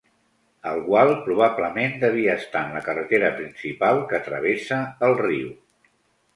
El gual probablement devia estar en la carretera principal que travessa el riu.